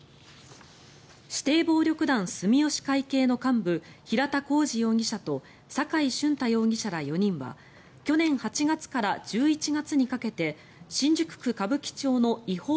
指定暴力団住吉会系の幹部平田弘二容疑者と坂井俊太容疑者ら４人は去年８月から１１月にかけて新宿区歌舞伎町の違法